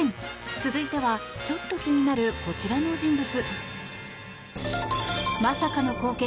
続いてはちょっと気になるこちらの人物。